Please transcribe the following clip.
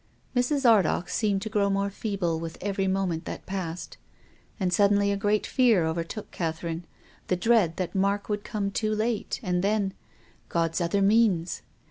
Mrs. Ardagh seemed to grow more feeble with every moment that passed. And suddenly a great fear overtook Catherine, the dread that Mark would come too late, and then — God's other means